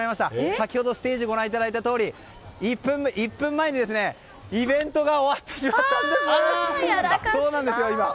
先ほどステージをご覧いただいたとおり１分前に、イベントが終わってしまったんです。